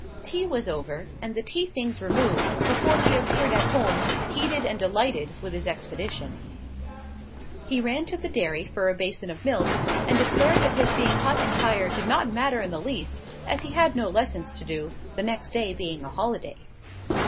Tea was over, and the tea things removed, before he appeared at home, heated and delighted with his expedition. He ran to the dairy for a basin of milk, and declared that his being hot and tired did not matter in the least, as he had no lessons to do the next day being a holiday.